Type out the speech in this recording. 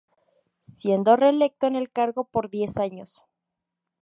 Siendo reelecto en el cargo por diez años.